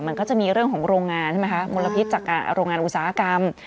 มันก็จะมีเรื่องของโรงงานใช่ไหมคะมลพิษจากโรงงานอุตสาหกรรม